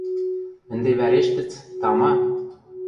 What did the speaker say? Ӹнде вӓрештӹц, тама?